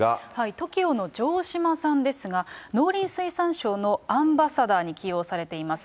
ＴＯＫＩＯの城島さんですが、農林水産省のアンバサダーに起用されています。